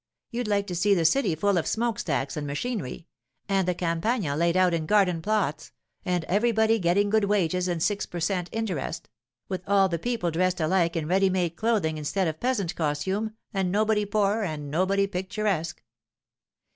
You'd like to see the city full of smoke stacks and machinery, and the Campagna laid out in garden plots, and everybody getting good wages and six per cent. interest; with all the people dressed alike in ready made clothing instead of peasant costume, and nobody poor and nobody picturesque.